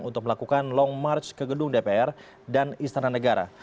untuk melakukan long march ke gedung dpr dan istana negara